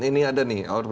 ini ada nih